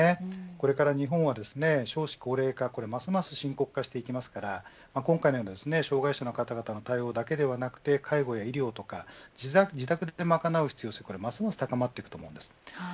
これから日本は少子高齢化ますます深刻化していきますから今回のような障害者の方の対応だけではなく介護や医療自宅で賄う必要性がますます高まってきます。